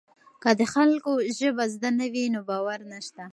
که د خلکو ژبه زده نه وي نو باور نشته.